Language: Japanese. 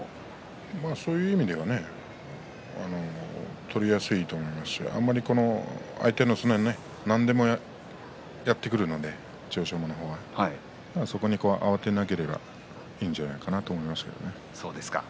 そういう意味では取りやすいと思いますし相手は何でもやってくるので千代翔馬の方ですねそこで慌てなければいいんじゃないかなと思います。